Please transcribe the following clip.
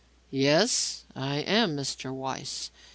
"Yes, I am Mr. Weiss.